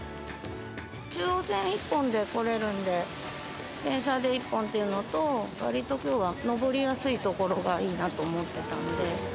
中央線一本で来れるんで、電車で一本というのと、わりときょうは登りやすい所がいいなと思ってたんで。